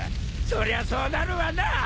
そりゃそうなるわなぁ！